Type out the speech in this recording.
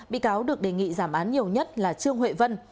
bị cáo được đề nghị giảm án nhiều nhất là trương huệ vân